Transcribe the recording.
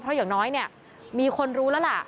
เพราะอย่างน้อยเนี่ยมีคนรู้แล้วล่ะ